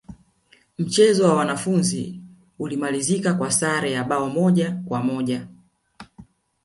mchezo wa ufunguzi ulimalizika kwa sare ya bao moja kwa moja